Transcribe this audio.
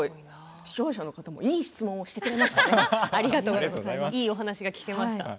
視聴者の方もいい質問をしてくれいいお話が聞けました。